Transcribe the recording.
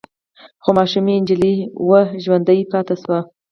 خو ماشوم يې چې نجلې وه ژوندۍ پاتې شوه.